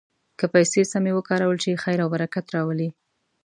که پیسې سمې وکارول شي، خیر او برکت راولي.